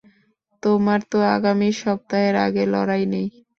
তোমার তো আগামী সপ্তাহের আগে লড়াই নেই।